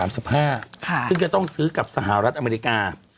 ซึ่งจะต้องซื้อกับสหรัฐอเมริกา